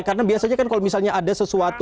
karena biasanya kan kalau misalnya ada sesuatu